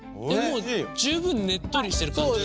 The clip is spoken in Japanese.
十分ねっとりしてる感じ。